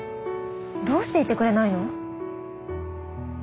どうして言ってくれないの？